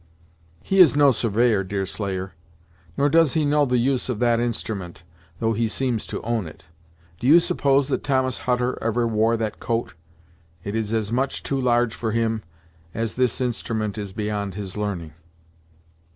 "He is no surveyor, Deerslayer, nor does he know the use of that instrument, though he seems to own it. Do you suppose that Thomas Hutter ever wore that coat? It is as much too large for him, as this instrument is beyond his learning."